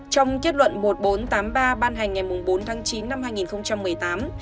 trong kết luận một nghìn bốn trăm tám mươi ba ban hành ngày bốn tháng chín năm hai nghìn một mươi tám